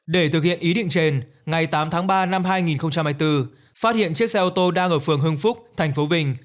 để thực hiện ý định trên ngày tám tháng ba năm hai nghìn hai mươi bốn phát hiện chiếc xe ô tô đang ở phường hưng phúc thành phố vinh